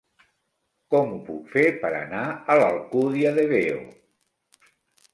Com ho puc fer per anar a l'Alcúdia de Veo?